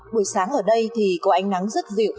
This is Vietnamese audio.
buổi sáng ở đây thì có ánh nắng rất dịu